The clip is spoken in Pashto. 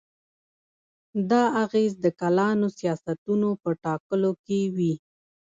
دا اغېز د کلانو سیاستونو په ټاکلو کې وي.